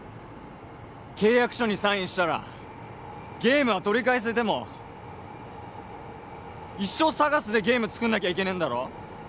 契約書にサインしたらゲームは取り返せても一生ＳＡＧＡＳでゲーム作んなきゃいけねえんだろ